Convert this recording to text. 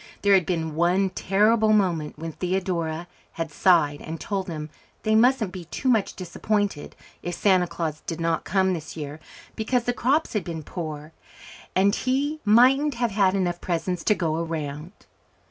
There had been one terrible moment when Theodora had sighed and told them they mustn't be too much disappointed if Santa Claus did not come this year because the crops had been poor, and he mightn't have had enough presents to go around.